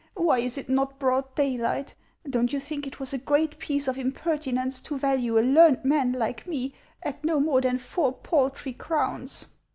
Why is it not broad daylight ? Don't you think it was a great piece of impertinence to value a learned man like me at no more than four paltry crowns